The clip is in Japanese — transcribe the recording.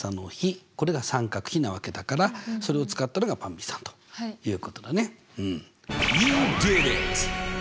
これが三角比なわけだからそれを使ったのがばんびさんということだねうん。